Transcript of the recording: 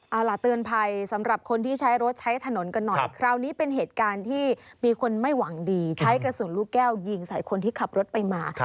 เอาล่ะเตือนภัยสำหรับคนที่ใช้รถใช้ถนนกันหน่อยคราวนี้เป็นเหตุการณ์ที่มีคนไม่หวังดีใช้กระสุนลูกแก้วยิงใส่คนที่ขับรถไปมา